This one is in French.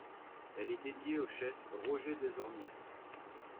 Elle est dédiée au chef Roger Désormière.